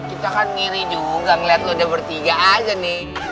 kita kan ngiri juga ngeliat lo udah bertiga aja nih